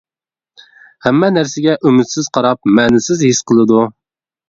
ھەممە نەرسىگە ئۈمىدسىز قاراپ، مەنىسىز ھېس قىلىدۇ.